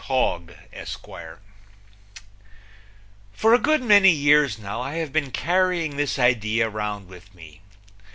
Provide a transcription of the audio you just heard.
Hogg, Esquire For a good many years now I have been carrying this idea round with me.